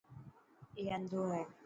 اي انڌو هي.